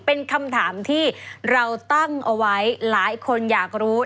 เป็นคำถามที่เราตั้งเอาไว้หลายคนอยากรู้